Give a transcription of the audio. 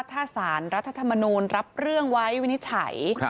ถ้าสารรัฐธรรมนูลรับเรื่องไว้วินิจฉัย